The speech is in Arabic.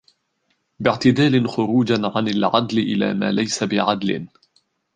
بِاعْتِدَالٍ خُرُوجًا عَنْ الْعَدْلِ إلَى مَا لَيْسَ بِعَدْلٍ